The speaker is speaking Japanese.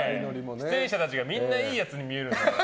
出演者たちがみんないいやつに見える。